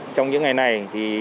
trong những ngày này